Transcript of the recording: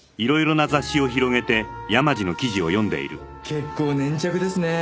結構粘着ですね。